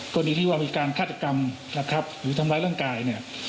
กรณีที่ว่ามีการฆาตกรรมนะครับหรือทำร้ายร่างกายเนี่ย